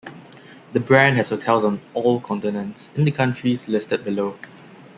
The brand has hotels on all continents, in the countries listed below.